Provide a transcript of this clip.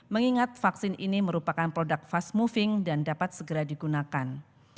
mengingat vaksin ini merupakan produk fast moving dan dapat segera digunakan